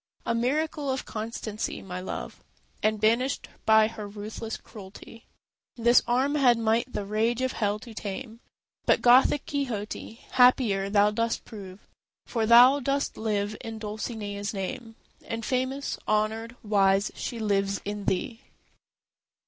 A miracle of constancy my love; And banished by her ruthless cruelty, This arm had might the rage of Hell to tame. But, Gothic Quixote, happier thou dost prove, For thou dost live in Dulcinea's name, And famous, honoured, wise, she lives in thee.